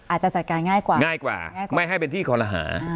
อาจจะจัดการง่ายกว่าง่ายกว่าไม่ให้เป็นที่คอลหา